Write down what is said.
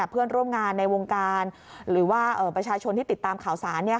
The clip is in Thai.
เพื่อนร่วมงานในวงการหรือว่าประชาชนที่ติดตามข่าวสาร